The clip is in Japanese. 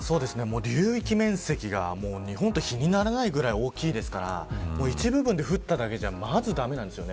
流域面積が日本とは比にならないぐらい広大ですから一部分で降っただけじゃまず駄目なんです。